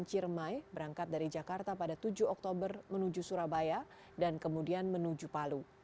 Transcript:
ciremai berangkat dari jakarta pada tujuh oktober menuju surabaya dan kemudian menuju palu